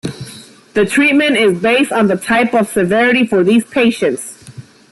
The treatment is based on the type of severity for these patients.